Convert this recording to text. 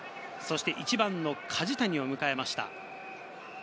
１番の梶谷を迎えました。